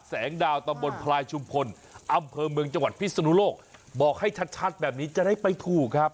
แสงดาวตำบลพลายชุมพลอำเภอเมืองจังหวัดพิศนุโลกบอกให้ชัดแบบนี้จะได้ไปถูกครับ